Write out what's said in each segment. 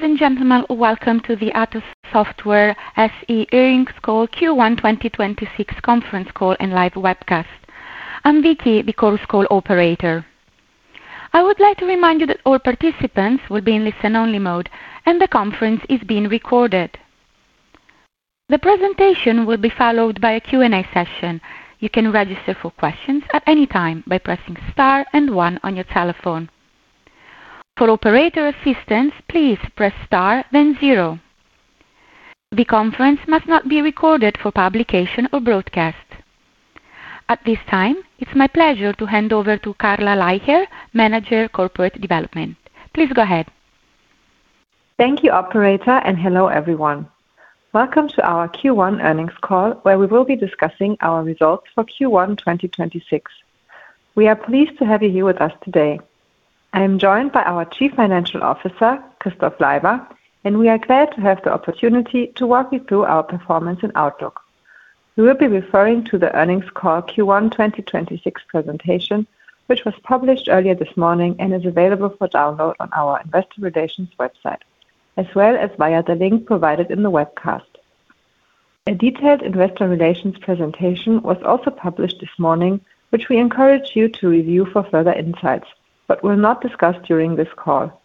Ladies and gentlemen, welcome to the ATOSS Software SE earnings call Q1 2026 conference call and live webcast. I'm Vicky, the conference call operator. I would like to remind you that all participants will be in listen-only mode and the conference is being recorded. The presentation will be followed by a Q&A session. You can register for questions at any time by pressing star and one on your telephone. For operator assistance, please press star then zero. The conference must not be recorded for publication or broadcast. At this time, it's my pleasure to hand over to Carla Leicher, Manager, Corporate Development. Please go ahead. Thank you operator, and hello everyone. Welcome to our Q1 earnings call, where we will be discussing our results for Q1 2026. We are pleased to have you here with us today. I am joined by our Chief Financial Officer, Christof Leiber, and we are glad to have the opportunity to walk you through our performance and outlook. We will be referring to the earnings call Q1 2026 presentation, which was published earlier this morning and is available for download on our investor relations website, as well as via the link provided in the webcast. A detailed investor relations presentation was also published this morning, which we encourage you to review for further insights, but will not discuss during this call.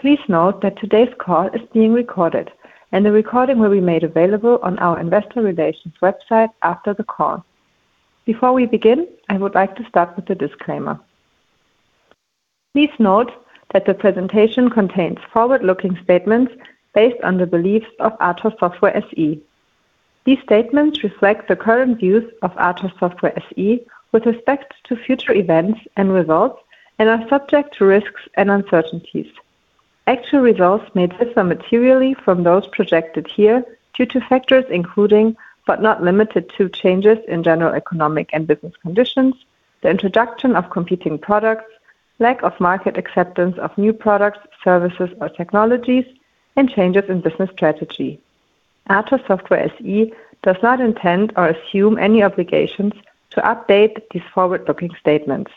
Please note that today's call is being recorded, and the recording will be made available on our investor relations website after the call. Before we begin, I would like to start with a disclaimer. Please note that the presentation contains forward-looking statements based on the beliefs of ATOSS Software SE. These statements reflect the current views of ATOSS Software SE with respect to future events and results and are subject to risks and uncertainties. Actual results may differ materially from those projected here due to factors including, but not limited to, changes in general economic and business conditions, the introduction of competing products, lack of market acceptance of new products, services, or technologies, and changes in business strategy. ATOSS Software SE does not intend or assume any obligations to update these forward-looking statements.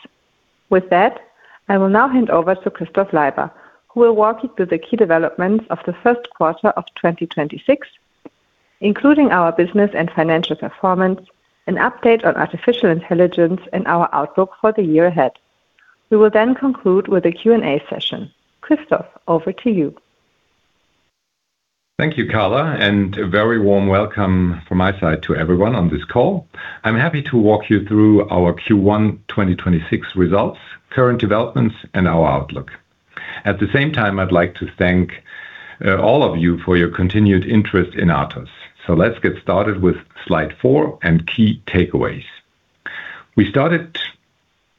With that, I will now hand over to Christof Leiber, who will walk you through the key developments of the first quarter of 2026, including our business and financial performance, an update on artificial intelligence, and our outlook for the year ahead. We will then conclude with a Q&A session. Christof, over to you. Thank you, Carla, and a very warm welcome from my side to everyone on this call. I'm happy to walk you through our Q1 2026 results, current developments, and our outlook. At the same time, I'd like to thank all of you for your continued interest in ATOSS. Let's get started with slide four and key takeaways. We started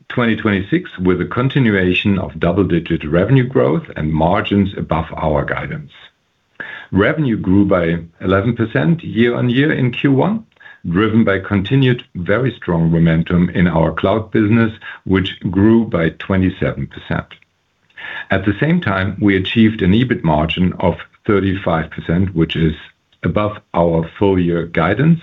2026 with a continuation of double-digit revenue growth and margins above our guidance. Revenue grew by 11% year-over-year in Q1, driven by continued very strong momentum in our cloud business, which grew by 27%. At the same time, we achieved an EBIT margin of 35%, which is above our full year guidance.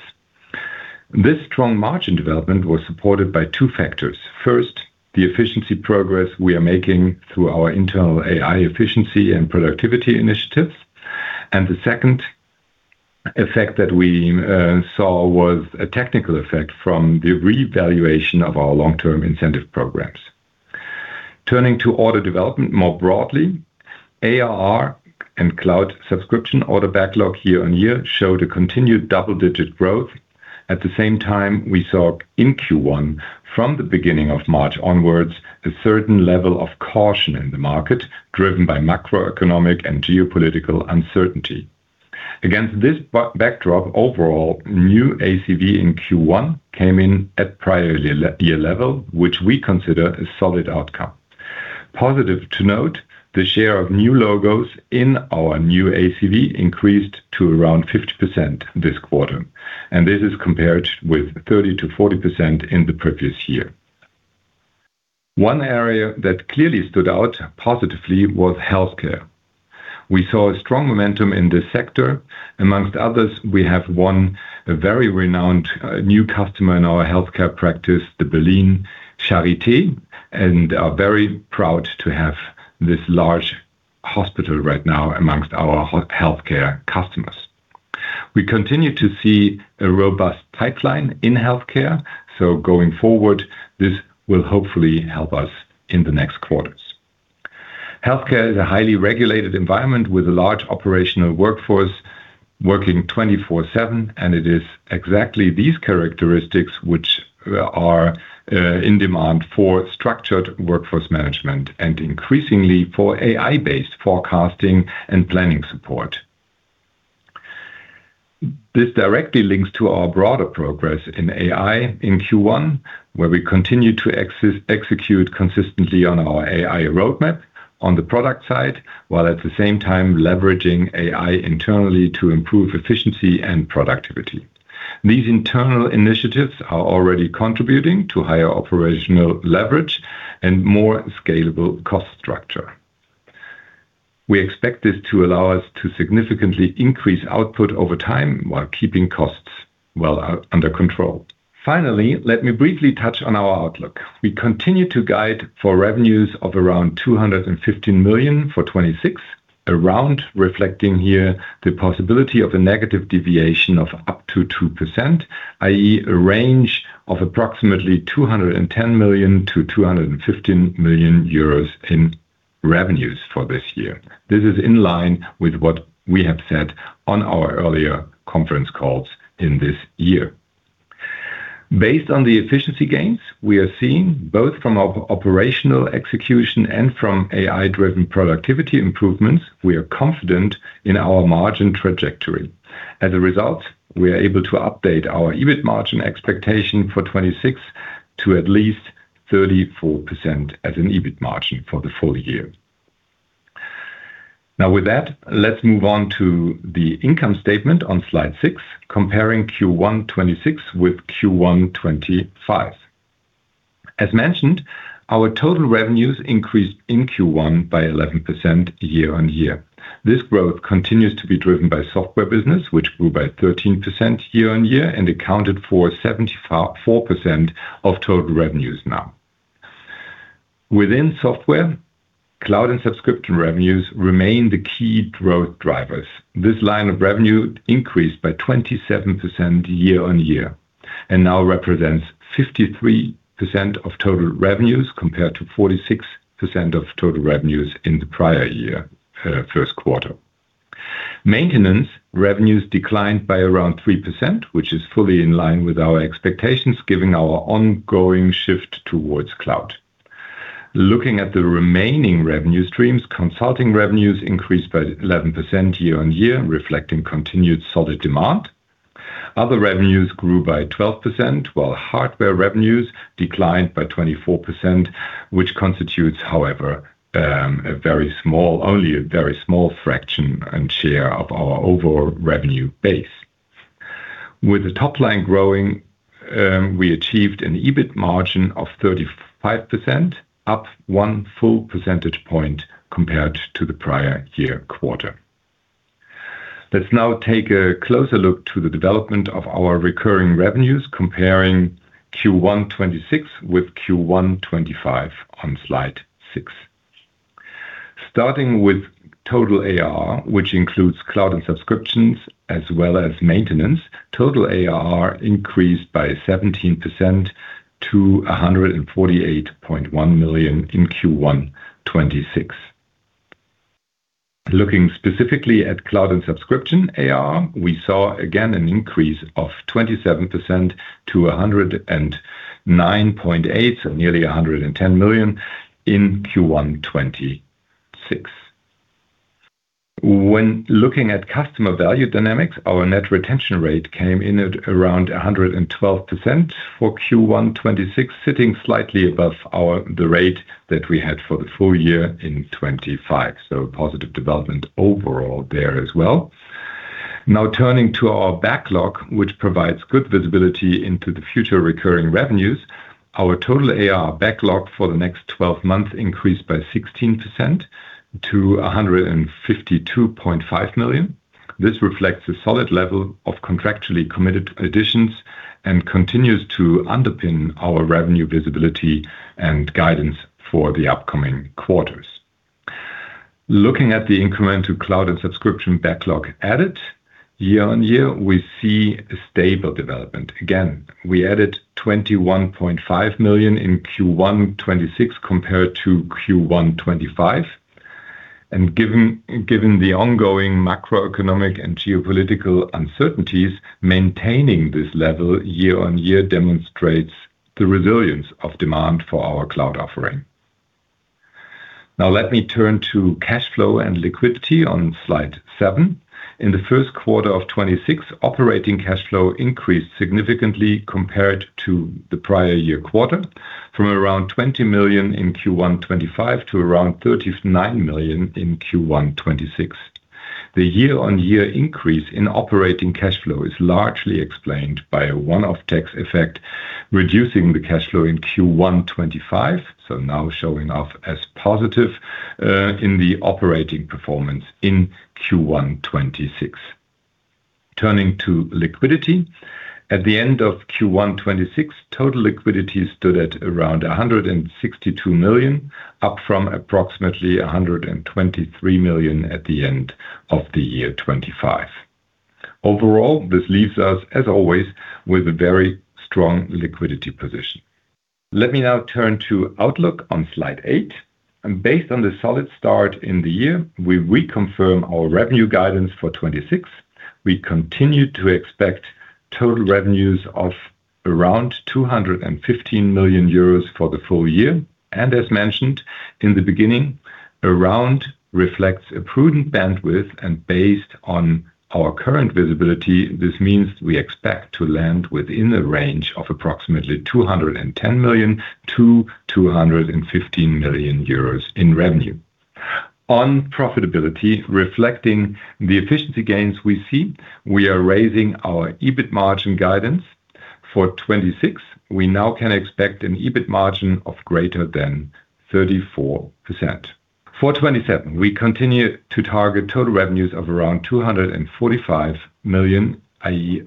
This strong margin development was supported by two factors. First, the efficiency progress we are making through our internal AI efficiency and productivity initiatives, and the second effect that we saw was a technical effect from the revaluation of our long-term incentive programs. Turning to order development more broadly, ARR and cloud subscription order backlog year-over-year showed a continued double-digit growth. At the same time, we saw in Q1, from the beginning of March onwards, a certain level of caution in the market driven by macroeconomic and geopolitical uncertainty. Against this backdrop, overall, new ACV in Q1 came in at prior year level, which we consider a solid outcome. Positive to note, the share of new logos in our new ACV increased to around 50% this quarter, and this is compared with 30%-40% in the previous year. One area that clearly stood out positively was healthcare. We saw a strong momentum in this sector. Among others, we have one very renowned new customer in our healthcare practice, the Berlin Charité, and are very proud to have this large hospital right now among our healthcare customers. We continue to see a robust pipeline in healthcare, so going forward this will hopefully help us in the next quarters. Healthcare is a highly regulated environment with a large operational workforce working 24/7, and it is exactly these characteristics which are in demand for structured workforce management and increasingly for AI-based forecasting and planning support. This directly links to our broader progress in AI in Q1, where we continued to execute consistently on our AI roadmap on the product side, while at the same time leveraging AI internally to improve efficiency and productivity. These internal initiatives are already contributing to higher operational leverage and more scalable cost structure. We expect this to allow us to significantly increase output over time while keeping costs well under control. Finally, let me briefly touch on our outlook. We continue to guide for revenues of around 215 million for 2026, reflecting here the possibility of a negative deviation of up to 2%, i.e., a range of approximately 210 million-215 million euros in revenues for this year. This is in line with what we have said on our earlier conference calls in this year. Based on the efficiency gains we are seeing, both from operational execution and from AI-driven productivity improvements, we are confident in our margin trajectory. As a result, we are able to update our EBIT margin expectation for 2026 to at least 34% as an EBIT margin for the full year. Now with that, let's move on to the income statement on slide 6, comparing Q1 2026 with Q1 2025. As mentioned, our total revenues increased in Q1 by 11% year-on-year. This growth continues to be driven by software business, which grew by 13% year-on-year and accounted for 74% of total revenues now. Within software, cloud and subscription revenues remain the key growth drivers. This line of revenue increased by 27% year-on-year and now represents 53% of total revenues, compared to 46% of total revenues in the prior year first quarter. Maintenance revenues declined by around 3%, which is fully in line with our expectations, given our ongoing shift towards cloud. Looking at the remaining revenue streams, consulting revenues increased by 11% year-on-year, reflecting continued solid demand. Other revenues grew by 12%, while hardware revenues declined by 24%, which constitutes, however, only a very small fraction and share of our overall revenue base. With the top line growing, we achieved an EBIT margin of 35%, up one full percentage point compared to the prior year quarter. Let's now take a closer look at the development of our recurring revenues comparing Q1 2026 with Q1 2025 on slide 6. Starting with total ARR, which includes cloud and subscription as well as maintenance, total ARR increased by 17% to 148.1 million in Q1 2026. Looking specifically at cloud and subscription ARR, we saw again an increase of 27% to 109.8 million, so nearly 110 million in Q1 2026. When looking at customer value dynamics, our net retention rate came in at around 112% for Q1 2026, sitting slightly above the rate that we had for the full year in 2025. A positive development overall there as well. Now turning to our backlog, which provides good visibility into the future recurring revenues, our total ARR backlog for the next 12 months increased by 16% to 152.5 million. This reflects a solid level of contractually committed additions and continues to underpin our revenue visibility and guidance for the upcoming quarters. Looking at the incremental cloud and subscription backlog added year-on-year, we see a stable development. Again, we added 21.5 million in Q1 2026 compared to Q1 2025. Given the ongoing macroeconomic and geopolitical uncertainties, maintaining this level year-on-year demonstrates the resilience of demand for our cloud offering. Now let me turn to cash flow and liquidity on slide 7. In the first quarter of 2026, operating cash flow increased significantly compared to the prior year quarter, from around 20 million in Q1 2025 to around 39 million in Q1 2026. The year-on-year increase in operating cash flow is largely explained by a one-off tax effect, reducing the cash flow in Q1 2025, so now showing up as positive, in the operating performance in Q1 2026. Turning to liquidity, at the end of Q1 2026, total liquidity stood at around 162 million, up from approximately 123 million at the end of the year 2025. Overall, this leaves us, as always, with a very strong liquidity position. Let me now turn to outlook on slide 8, based on the solid start in the year, we reconfirm our revenue guidance for 2026. We continue to expect total revenues of around 215 million euros for the full year. As mentioned in the beginning, around reflects a prudent bandwidth. Based on our current visibility, this means we expect to land within a range of approximately 210 million-215 million euros in revenue. On profitability, reflecting the efficiency gains we see, we are raising our EBIT margin guidance. For 2026, we now can expect an EBIT margin of greater than 34%. For 2027, we continue to target total revenues of around 245 million, i.e.,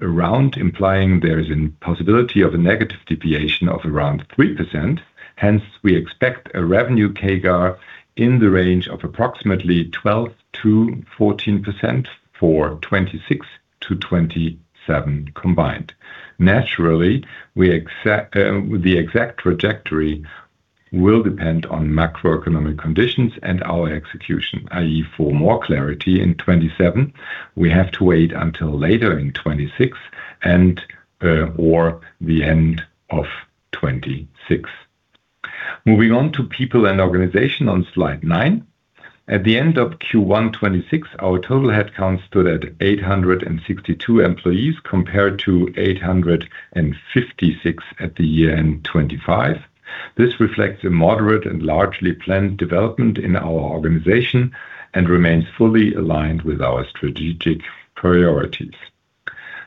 implying there is a possibility of a negative deviation of around 3%. Hence, we expect a revenue CAGR in the range of approximately 12%-14% for 2026 to 2027 combined. Naturally, the exact trajectory will depend on macroeconomic conditions and our execution, i.e., for more clarity in 2027, we have to wait until later in 2026 and/or the end of 2026. Moving on to people and organization on slide 9. At the end of Q1 2026, our total headcount stood at 862 employees compared to 856 at the year-end 2025. This reflects a moderate and largely planned development in our organization and remains fully aligned with our strategic priorities.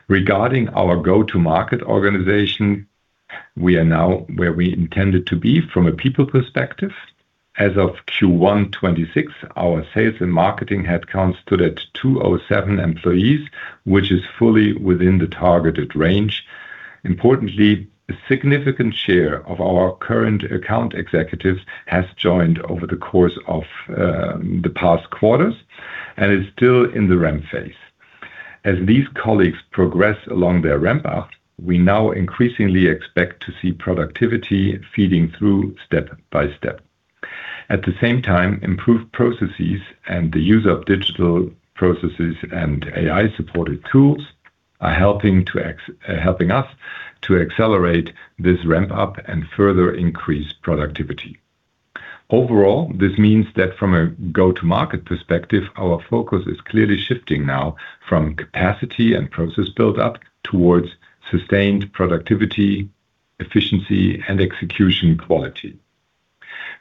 Regarding our go-to-market organization, we are now where we intended to be from a people perspective. As of Q1 2026, our sales and marketing headcount stood at 207 employees, which is fully within the targeted range. Importantly, a significant share of our current account executives has joined over the course of the past quarters and is still in the ramp phase. As these colleagues progress along their ramp-up, we now increasingly expect to see productivity feeding through step by step. At the same time, improved processes and the use of digital processes and AI-supported tools are helping us to accelerate this ramp-up and further increase productivity. Overall, this means that from a go-to-market perspective, our focus is clearly shifting now from capacity and process buildup towards sustained productivity, efficiency, and execution quality.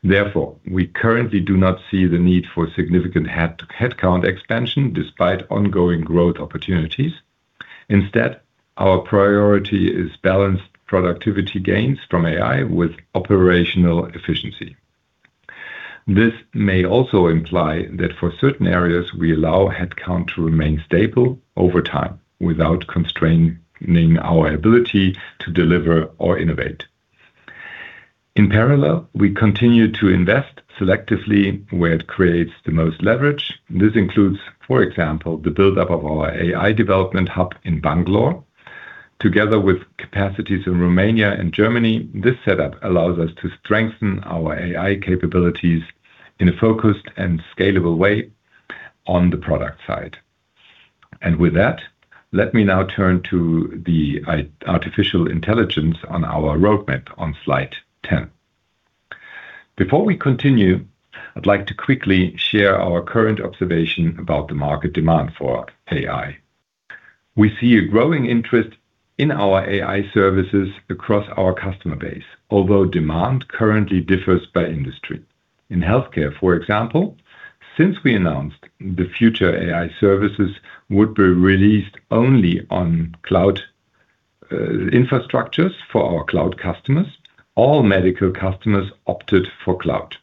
Therefore, we currently do not see the need for significant headcount expansion despite ongoing growth opportunities. Instead, our priority is balanced productivity gains from AI with operational efficiency. This may also imply that for certain areas, we allow headcount to remain stable over time without constraining our ability to deliver or innovate. In parallel, we continue to invest selectively where it creates the most leverage. This includes, for example, the buildup of our AI development hub in Bangalore. Together with capacities in Romania and Germany, this setup allows us to strengthen our AI capabilities in a focused and scalable way on the product side. With that, let me now turn to the artificial intelligence on our roadmap on slide 10. Before we continue, I'd like to quickly share our current observation about the market demand for AI. We see a growing interest in our AI services across our customer base, although demand currently differs by industry. In healthcare, for example, since we announced the future AI services would be released only on cloud infrastructures for our cloud customers, all medical customers opted for cloud.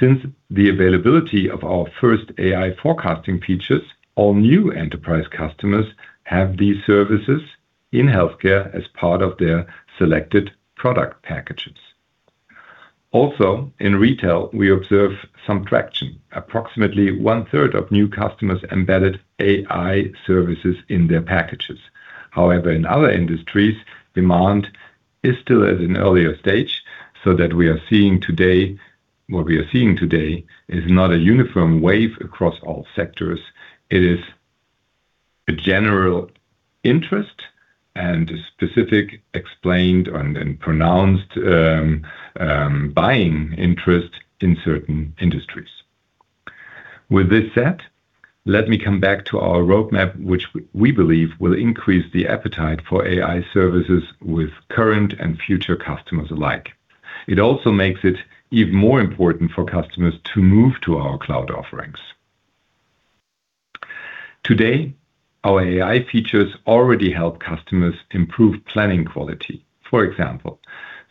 Since the availability of our first AI forecasting features, all new enterprise customers have these services in healthcare as part of their selected product packages. Also, in retail, we observe some traction. Approximately 1/3 of new customers embedded AI services in their packages. However, in other industries, demand is still at an earlier stage, so what we are seeing today is not a uniform wave across all sectors. It is a general interest and a specific explained and pronounced buying interest in certain industries. With this said, let me come back to our roadmap, which we believe will increase the appetite for AI services with current and future customers alike. It also makes it even more important for customers to move to our cloud offerings. Today, our AI features already help customers improve planning quality, for example,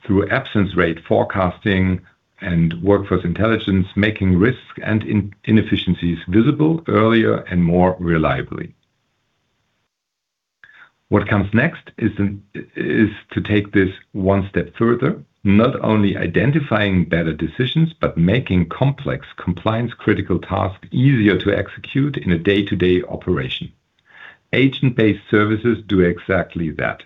through absence rate forecasting and workforce intelligence, making risk and inefficiencies visible earlier and more reliably. What comes next is to take this one step further, not only identifying better decisions, but making complex compliance critical tasks easier to execute in a day-to-day operation. Agent-based services do exactly that.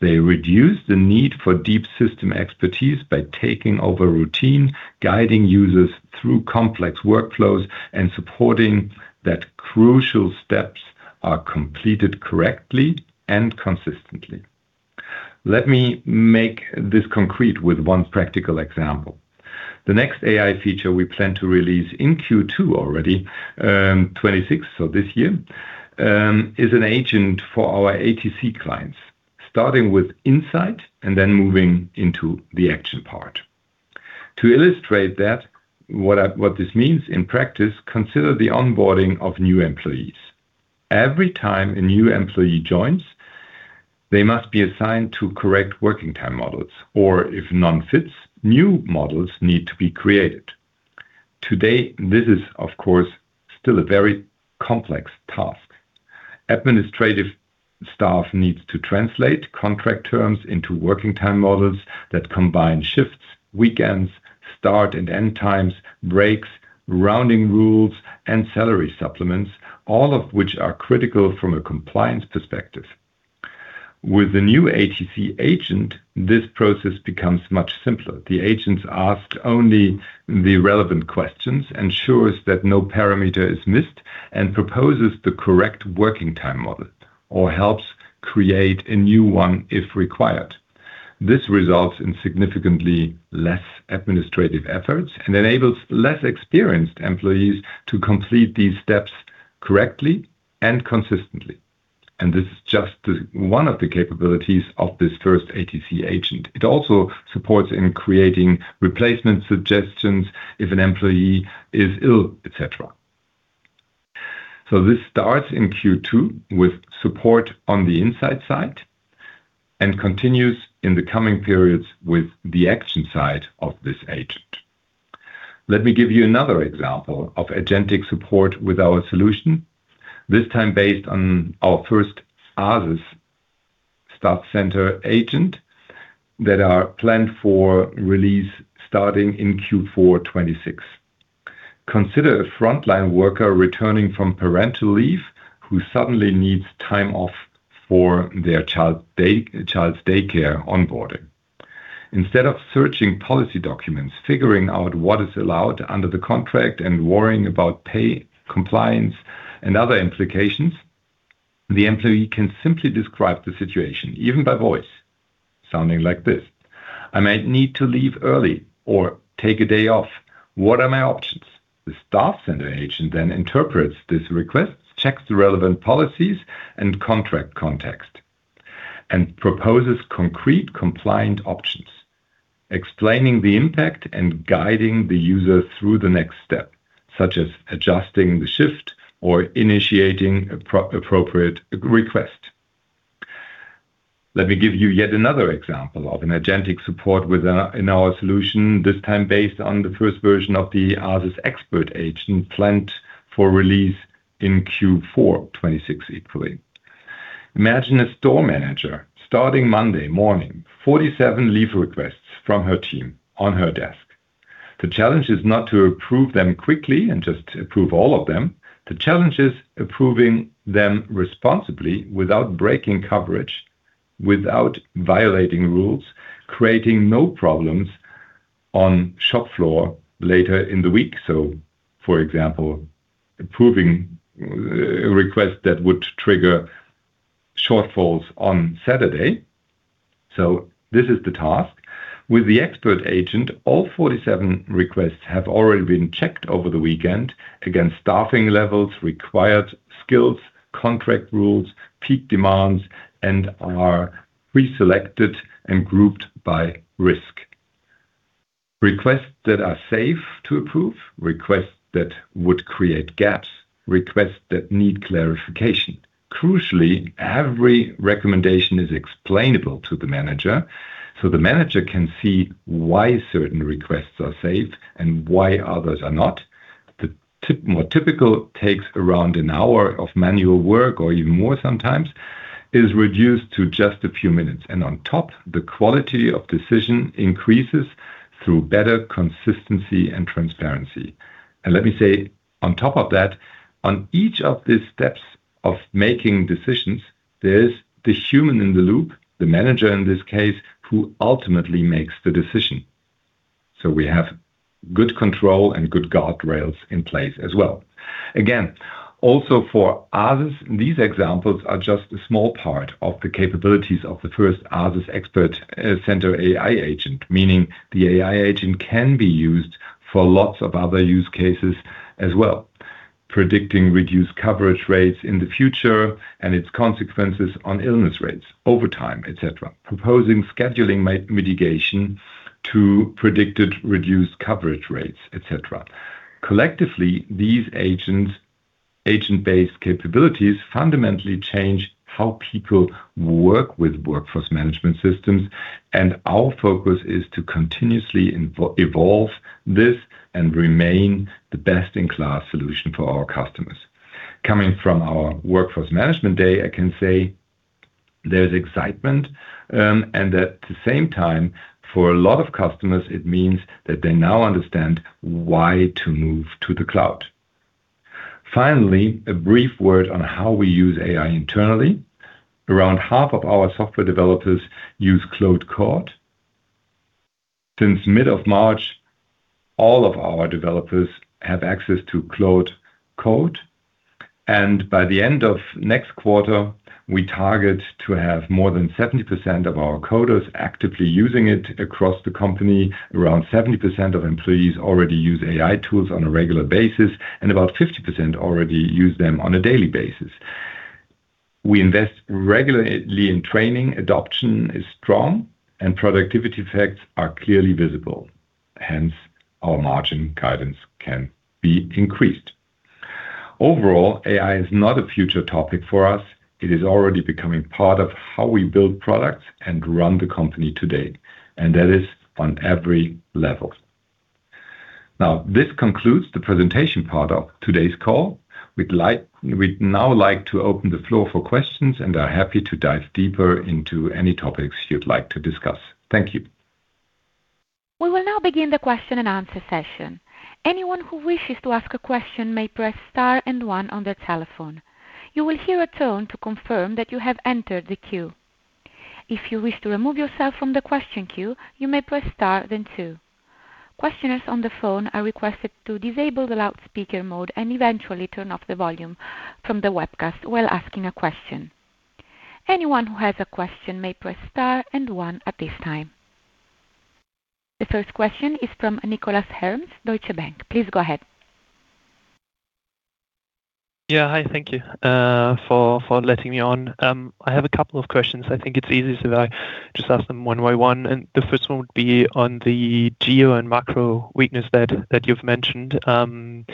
They reduce the need for deep system expertise by taking over routine, guiding users through complex workflows, and supporting that crucial steps are completed correctly and consistently. Let me make this concrete with one practical example. The next AI feature we plan to release in Q2 2026, so this year, is an agent for our ATOSS clients, starting with Insight and then moving into the Action part. To illustrate what this means in practice, consider the onboarding of new employees. Every time a new employee joins, they must be assigned to correct working time models, or if none fits, new models need to be created. Today, this is, of course, still a very complex task. Administrative staff needs to translate contract terms into working time models that combine shifts, weekends, start and end times, breaks, rounding rules, and salary supplements, all of which are critical from a compliance perspective. With the new ATOSS agent, this process becomes much simpler. The agent asks only the relevant questions, ensures that no parameter is missed, and proposes the correct working time model or helps create a new one if required. This results in significantly less administrative efforts and enables less experienced employees to complete these steps correctly and consistently. This is just one of the capabilities of this first ATC agent. It also supports in creating replacement suggestions if an employee is ill, et cetera. This starts in Q2 with support on the Insight side and continues in the coming periods with the Action side of this agent. Let me give you another example of agentic support with our solution, this time based on our first ATOSS Staff Center agent that are planned for release starting in Q4 2026. Consider a frontline worker returning from parental leave who suddenly needs time off for their child's daycare onboarding. Instead of searching policy documents, figuring out what is allowed under the contract, and worrying about pay compliance and other implications, the employee can simply describe the situation, even by voice, sounding like this: "I might need to leave early or take a day off. What are my options?" The Staff Center agent then interprets these requests, checks the relevant policies and contract context, and proposes concrete compliant options, explaining the impact and guiding the user through the next step, such as adjusting the shift or initiating appropriate request. Let me give you yet another example of an agentic support in our solution, this time based on the first version of the ATOSS Expert agent planned for release in Q4 2026 equally. Imagine a store manager starting Monday morning, 47 leave requests from her team on her desk. The challenge is not to approve them quickly and just approve all of them. The challenge is approving them responsibly without breaking coverage, without violating rules, creating no problems on shop floor later in the week. For example, approving a request that would trigger shortfalls on Saturday. This is the task. With the ATOSS Expert, all 47 requests have already been checked over the weekend against staffing levels, required skills, contract rules, peak demands, and are preselected and grouped by risk. Requests that are safe to approve, requests that would create gaps, requests that need clarification. Crucially, every recommendation is explainable to the manager, so the manager can see why certain requests are safe and why others are not. The more typical takes around an hour of manual work or even more sometimes is reduced to just a few minutes. On top, the quality of decision increases through better consistency and transparency. Let me say on top of that, on each of these steps of making decisions, there's the human in the loop, the manager in this case, who ultimately makes the decision. We have good control and good guardrails in place as well. Again, also for ATOSS, these examples are just a small part of the capabilities of the first ATOSS Expert Center AI agent, meaning the AI agent can be used for lots of other use cases as well, predicting reduced coverage rates in the future and its consequences on illness rates, overtime, et cetera, proposing scheduling mitigation to predicted reduced coverage rates, et cetera. Collectively, these agent-based capabilities fundamentally change how people work with workforce management systems, and our focus is to continuously evolve this and remain the best-in-class solution for our customers. Coming from our Workforce Management Day, I can say there's excitement, and at the same time, for a lot of customers, it means that they now understand why to move to the cloud. Finally, a brief word on how we use AI internally. Around half of our software developers use Claude Code. Since mid of March, all of our developers have access to Claude Code, and by the end of next quarter, we target to have more than 70% of our coders actively using it across the company. Around 70% of employees already use AI tools on a regular basis, and about 50% already use them on a daily basis. We invest regularly in training, adoption is strong, and productivity effects are clearly visible. Hence, our margin guidance can be increased. Overall, AI is not a future topic for us. It is already becoming part of how we build products and run the company today, and that is on every level. Now, this concludes the presentation part of today's call. We'd now like to open the floor for questions and are happy to dive deeper into any topics you'd like to discuss. Thank you. We will now begin the question and answer session. Anyone who wishes to ask a question may press star and one on their telephone. You will hear a tone to confirm that you have entered the queue. If you wish to remove yourself from the question queue, you may press star, then two. Questioners on the phone are requested to disable the loudspeaker mode and eventually turn off the volume from the webcast while asking a question. Anyone who has a question may press star and one at this time. The first question is from Nicolas Härms, Deutsche Bank. Please go ahead. Yeah. Hi. Thank you for letting me on. I have a couple of questions. I think it's easiest if I just ask them one by one, and the first one would be on the geo and macro weakness that you've mentioned. I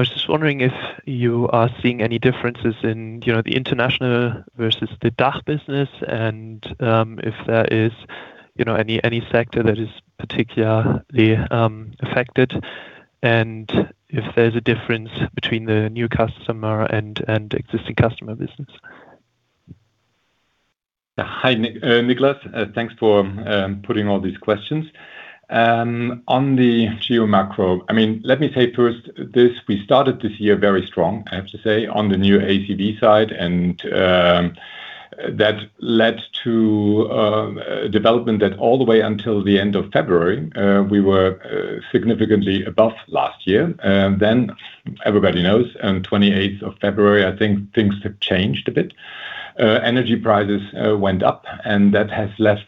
was just wondering if you are seeing any differences in the international versus the DACH business and if there is any sector that is particularly affected and if there's a difference between the new customer and existing customer business? Hi, Nicolas Härms. Thanks for putting all these questions. On the geo macro, let me say first this, we started this year very strong, I have to say, on the new ACV side, and that led to development that all the way until the end of February, we were significantly above last year. Everybody knows on 28th of February, I think things have changed a bit. Energy prices went up and that has led,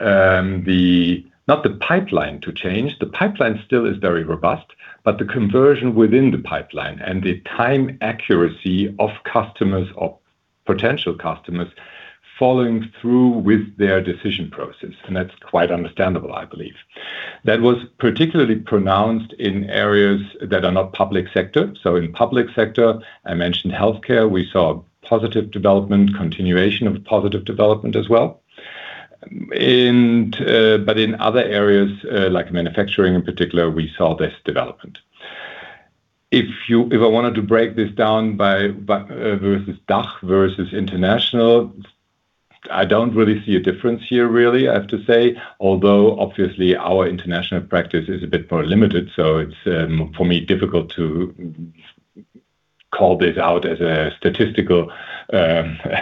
not the pipeline to change, the pipeline still is very robust, but the conversion within the pipeline and the time accuracy of customers or potential customers following through with their decision process. That's quite understandable, I believe. That was particularly pronounced in areas that are not public sector. In public sector, I mentioned healthcare, we saw a positive development, continuation of positive development as well. in other areas, like manufacturing in particular, we saw this development. If I wanted to break this down by versus DACH versus international, I don't really see a difference here, really, I have to say. Although, obviously, our international practice is a bit more limited, so it's, for me, difficult to call this out as a statistical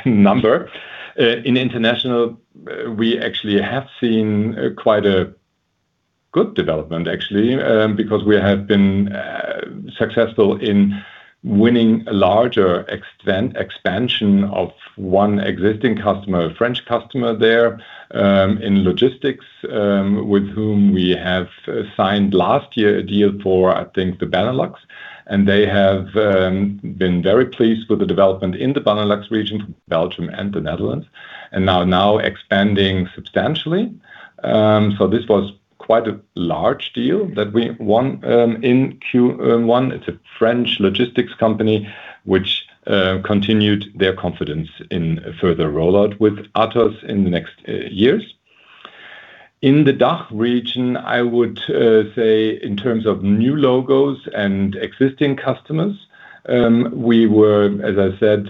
number. In international, we actually have seen quite a good development, actually, because we have been successful in winning a larger expansion of one existing customer, a French customer there, in logistics, with whom we have signed last year a deal for, I think, the Benelux. They have been very pleased with the development in the Benelux region, Belgium and the Netherlands, and are now expanding substantially. this was quite a large deal that we won in Q1. It's a French logistics company which continued their confidence in a further rollout with ATOSS in the next years. In the DACH region, I would say in terms of new logos and existing customers, we were, as I said,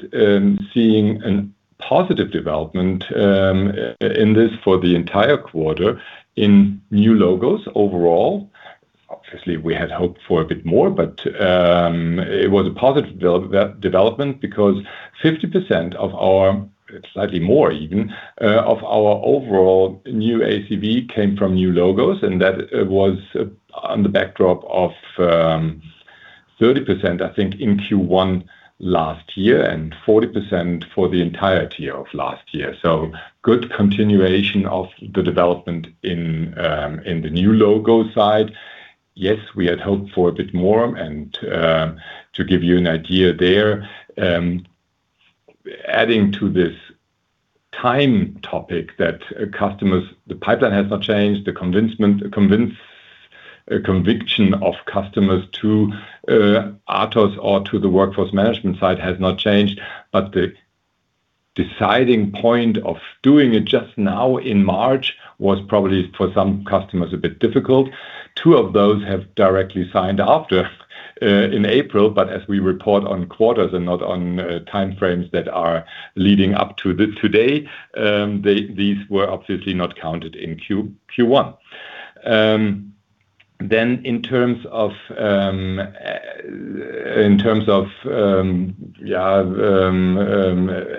seeing a positive development in this for the entire quarter in new logos overall. Obviously, we had hoped for a bit more, but it was a positive development because 50% of our, slightly more even, of our overall new ACV came from new logos, and that was on the backdrop of 30%, I think, in Q1 last year and 40% for the entire year of last year. Good continuation of the development in the new logo side. Yes, we had hoped for a bit more, and to give you an idea there, adding to this time topic that customers, the pipeline has not changed, the conviction of customers to ATOSS or to the workforce management side has not changed. The deciding point of doing it just now in March was probably for some customers a bit difficult. Two of those have directly signed after in April, but as we report on quarters and not on time frames that are leading up to today, these were obviously not counted in Q1. In terms of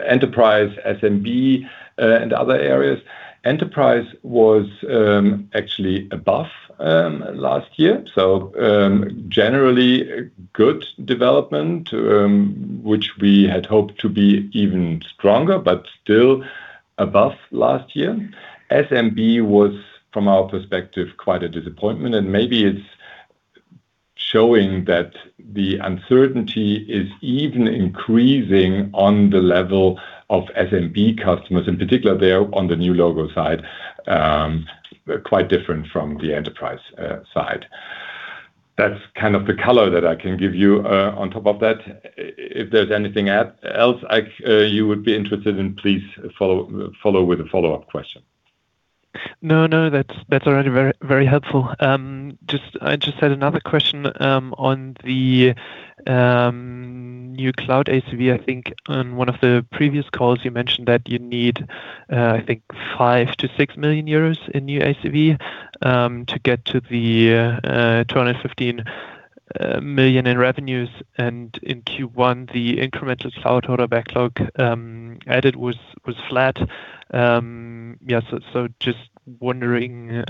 enterprise, SMB, and other areas, enterprise was actually above last year. Generally a good development, which we had hoped to be even stronger, but still above last year. SMB was, from our perspective, quite a disappointment, and maybe it's showing that the uncertainty is even increasing on the level of SMB customers. In particular, they're on the new logo side, they're quite different from the enterprise side. That's the color that I can give you. On top of that, if there's anything else you would be interested in, please follow with a follow-up question. No, that's already very helpful. I just had another question on the new cloud ACV. I think on one of the previous calls you mentioned that you need, I think 5 million-6 million euros in new ACV to get to the 215 million in revenues. In Q1, the incremental cloud order backlog added was flat. Just wondering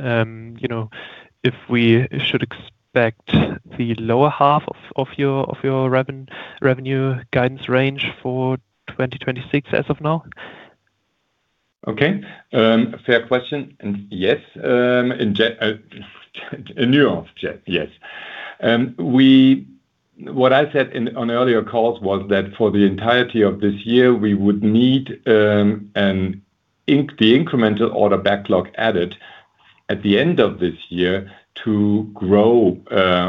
if we should expect the lower half of your revenue guidance range for 2026 as of now? Okay. Fair question, and yes, in nuance. Yes. What I said on earlier calls was that for the entirety of this year, we would need the incremental order backlog added at the end of this year to grow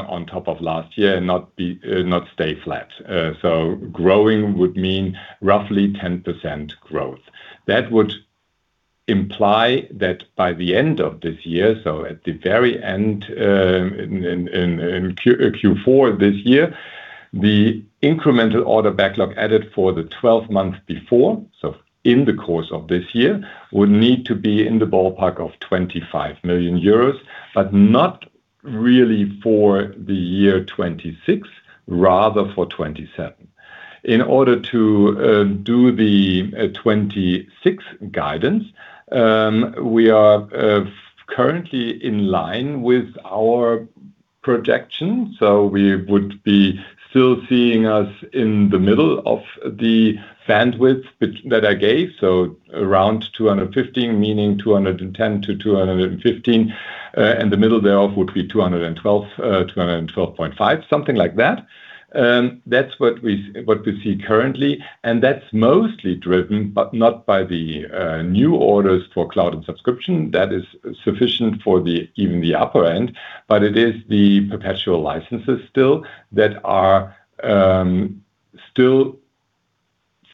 on top of last year and not stay flat. Growing would mean roughly 10% growth. That would imply that by the end of this year, so at the very end in Q4 this year, the incremental order backlog added for the 12 months before, so in the course of this year, would need to be in the ballpark of 25 million euros, but not really for the year 2026, rather for 2027. In order to do the 2026 guidance, we are currently in line with our projections, so we would be still seeing us in the middle of the bandwidth that I gave. Around 215 million, meaning 210 million-215 million. The middle thereof would be 212.5 million, something like that. That's what we see currently, and that's mostly driven, but not by the new orders for cloud and subscription. That is sufficient for even the upper end. It is the perpetual licenses still that are still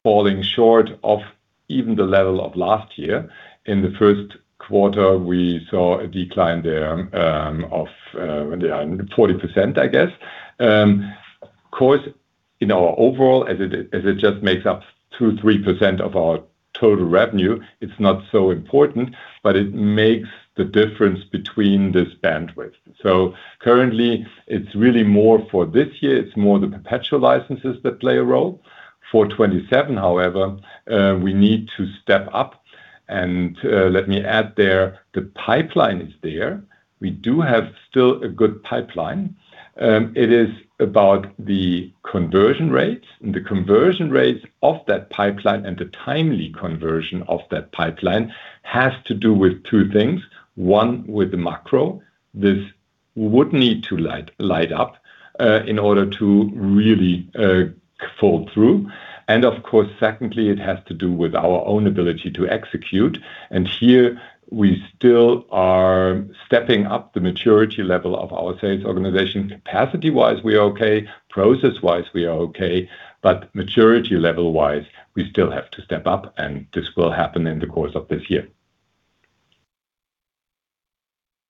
falling short of even the level of last year. In the first quarter, we saw a decline there of 40%, I guess. Of course, in our overall, as it just makes up 2%, 3% of our total revenue, it's not so important, but it makes the difference between this bandwidth. Currently it's really more for this year, it's more the perpetual licenses that play a role. For 2027, however, we need to step up. Let me add there, the pipeline is there. We do have still a good pipeline. It is about the conversion rates, and the conversion rates of that pipeline, and the timely conversion of that pipeline has to do with two things. One, with the macro. This would need to light up in order to really fall through. Of course, secondly, it has to do with our own ability to execute. Here we still are stepping up the maturity level of our sales organization. Capacity-wise, we are okay. Process-wise, we are okay. Maturity level-wise, we still have to step up, and this will happen in the course of this year.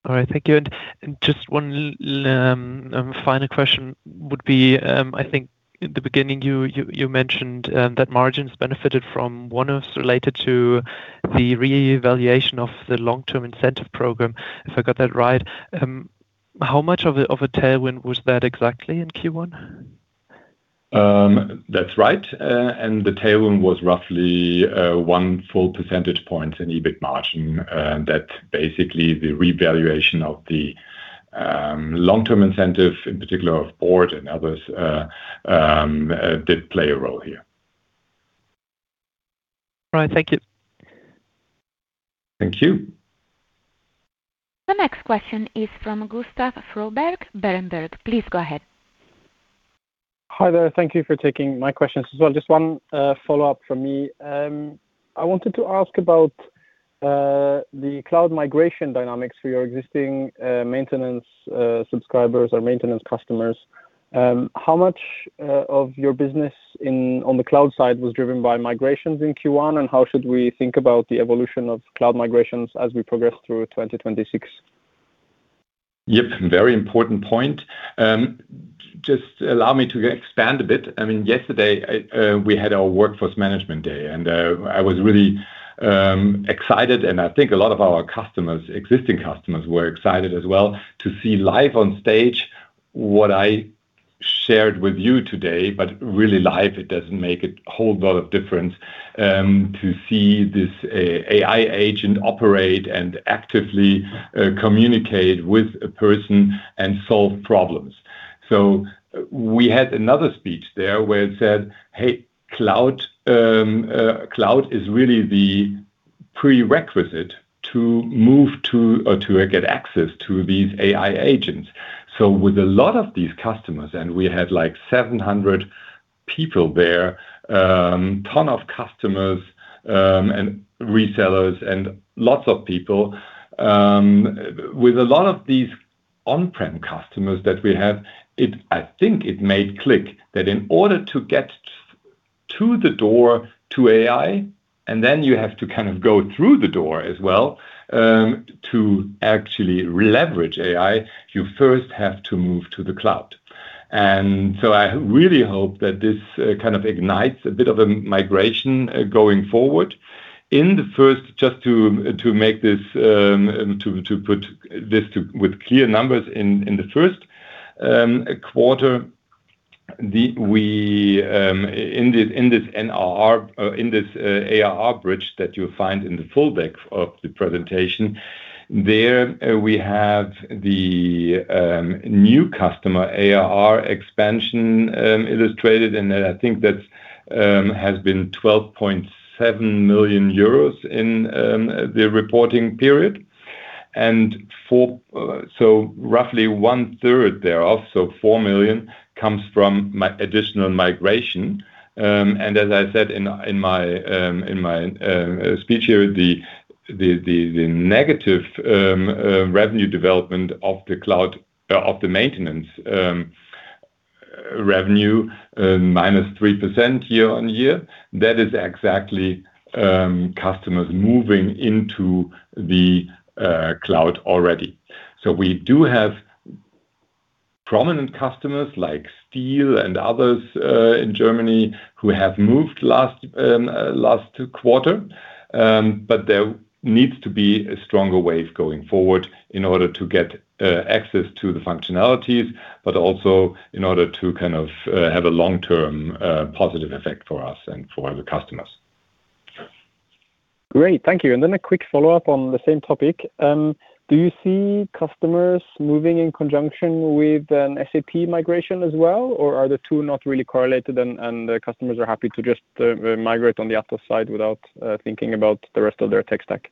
All right, thank you. Just one final question would be, I think in the beginning you mentioned that margins benefited from one-offs related to the reevaluation of the long-term incentive program, if I got that right. How much of a tailwind was that exactly in Q1? That's right. The tailwind was roughly 1 full percentage point in EBIT margin, and that basically the revaluation of the long-term incentive, in particular of board and others, did play a role here. All right. Thank you. Thank you. The next question is from Gustav Froberg, Berenberg. Please go ahead. Hi there. Thank you for taking my questions as well. Just one follow-up from me. I wanted to ask about the cloud migration dynamics for your existing maintenance subscribers or maintenance customers. How much of your business on the cloud side was driven by migrations in Q1? And how should we think about the evolution of cloud migrations as we progress through 2026? Yep. Very important point. Just allow me to expand a bit. Yesterday, we had our Workforce Management Day, and I was really excited, and I think a lot of our existing customers were excited as well, to see live on stage what I shared with you today, but really live. It doesn't make a whole lot of difference to see this AI agent operate and actively communicate with a person and solve problems. We had another speech there where it said, "Hey, cloud is really the prerequisite to move to or to get access to these AI agents." With a lot of these customers, we had like 700 people there, a ton of customers and resellers and lots of people. With a lot of these on-prem customers that we have, I think it made it click, that in order to get to the door to AI, and then you have to kind of go through the door as well, to actually leverage AI, you first have to move to the cloud. I really hope that this kind of ignites a bit of a migration going forward. In the first, just to put this with clear numbers, in the first quarter, in this ARR bridge that you'll find in the full deck of the presentation, there we have the new customer ARR expansion illustrated, and I think that has been 12.7 million euros in the reporting period. Roughly 1/3 thereof, so 4 million, comes from additional migration. As I said in my speech here, the negative revenue development of the maintenance revenue, -3% year-on-year, that is exactly customers moving into the cloud already. We do have prominent customers like STIHL and others in Germany who have moved last quarter. There needs to be a stronger wave going forward in order to get access to the functionalities, but also in order to have a long-term positive effect for us and for the customers. Great, thank you. A quick follow-up on the same topic. Do you see customers moving in conjunction with an SAP migration as well, or are the two not really correlated and the customers are happy to just migrate on the ATOSS side without thinking about the rest of their tech stack?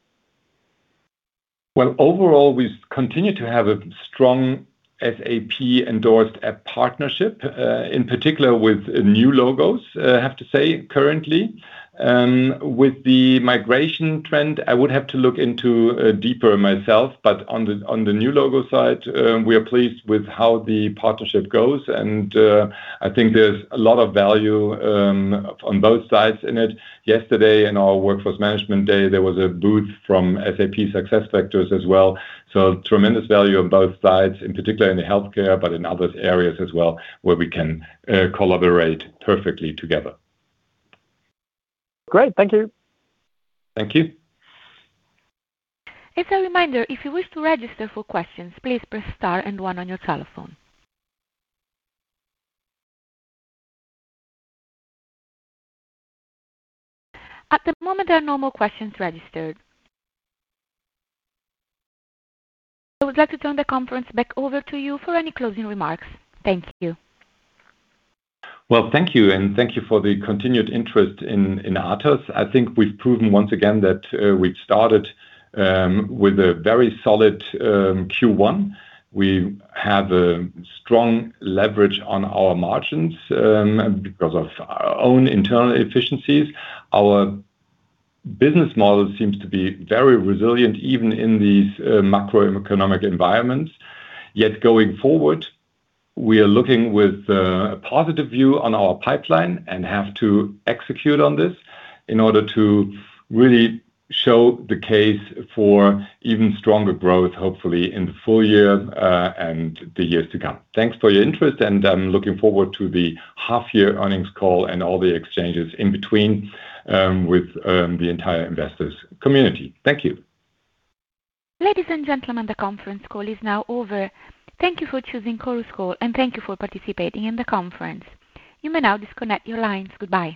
Well, overall, we continue to have a strong SAP Endorsed App partnership, in particular with new logos, I have to say currently. With the migration trend, I would have to look into deeper myself. But on the new logo side, we are pleased with how the partnership goes, and I think there's a lot of value on both sides in it. Yesterday in our Workforce Management Day, there was a booth from SAP SuccessFactors as well. Tremendous value on both sides, in particular in the healthcare, but in other areas as well, where we can collaborate perfectly together. Great. Thank you. Thank you. As a reminder, if you wish to register for questions, please press star and one on your telephone. At the moment, there are no more questions registered. I would like to turn the conference back over to you for any closing remarks. Thank you. Well, thank you, and thank you for the continued interest in ATOSS. I think we've proven once again that we started with a very solid Q1. We have a strong leverage on our margins because of our own internal efficiencies. Our business model seems to be very resilient, even in these macroeconomic environments. Yet going forward, we are looking with a positive view on our pipeline and have to execute on this in order to really show the case for even stronger growth, hopefully in the full year and the years to come. Thanks for your interest, and I'm looking forward to the half-year earnings call and all the exchanges in between with the entire investors community. Thank you. Ladies and gentlemen, the conference call is now over. Thank you for choosing Chorus Call, and thank you for participating in the conference. You may now disconnect your lines. Goodbye